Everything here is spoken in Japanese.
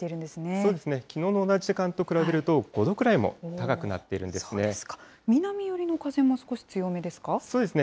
そうですね、きのうの同じ時間と比べると、５度くらいも高く南寄りの風も少し強めですかそうですね。